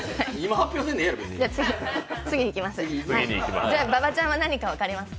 次いきます。